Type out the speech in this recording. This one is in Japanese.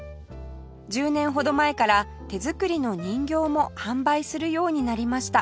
１０年ほど前から手作りの人形も販売するようになりました